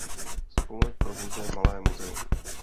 Spolek provozuje malé muzeum.